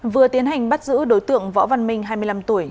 vừa tiến hành bắt giữ đối tượng võ văn minh hai mươi năm tuổi